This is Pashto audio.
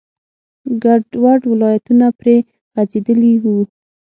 ګډوډ لاینونه پرې غځېدلي وو.